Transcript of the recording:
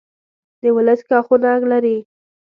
دولس ښاخونه لري.